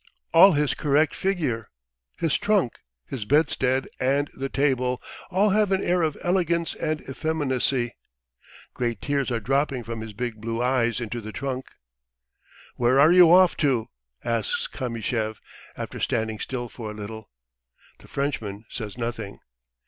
... All his correct figure, his trunk, his bedstead and the table all have an air of elegance and effeminacy. Great tears are dropping from his big blue eyes into the trunk. "Where are you off to?" asks Kamyshev, after standing still for a little. The Frenchman says nothing.